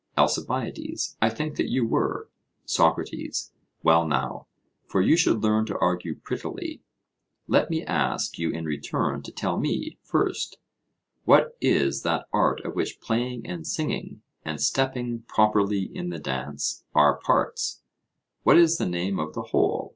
ALCIBIADES: I think that you were. SOCRATES: Well, now, for you should learn to argue prettily let me ask you in return to tell me, first, what is that art of which playing and singing, and stepping properly in the dance, are parts, what is the name of the whole?